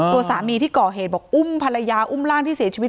ตัวสามีที่ก่อเหตุบอกอุ้มภรรยาอุ้มร่างที่เสียชีวิต